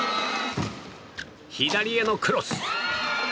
左へのクロス！